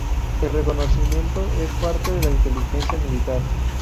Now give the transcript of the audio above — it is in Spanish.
El reconocimiento es parte de la inteligencia militar.